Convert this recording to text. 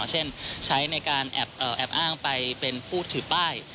เช่นใช้ในการแอบอ้างไปเป็นผู้ถือป้าย